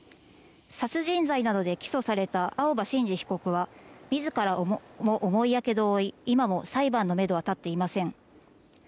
殺人罪などで起訴された青葉真司被告は自らも重いやけどを負い今も裁判の目途はたっていません。